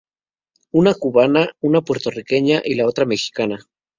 Una cubana, una puertorriqueña y la otra mexicana.